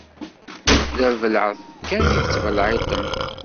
D abelεeṭ kan i tettbelεiṭem.